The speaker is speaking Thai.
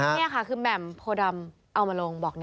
นี่ค่ะคือแหม่มโพดำเอามาลงบอก